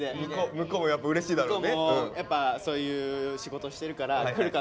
向こうもやっぱうれしいだろうね。